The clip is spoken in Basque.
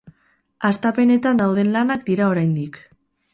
Hastapenetan dauden lanak dira oraindik.